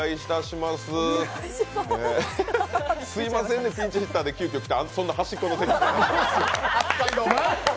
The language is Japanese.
すみませんピンチヒッターで急きょ来て、端っこの席で。